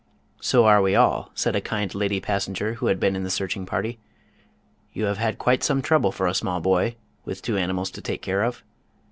"So are we all," said a kind lady passenger who had been in the searching party. "You have had quite some trouble for a small boy, with two animals to take care of."